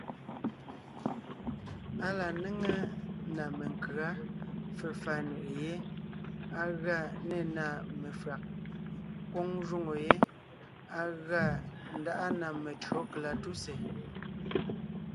Á la néŋe ná menkʉ̌a, fefà nʉʼʉ yé, á gʉa nê na mefÿàg, kwóŋ jwóŋo yé á gʉa ńdáʼa na metÿǒ kalatúsè.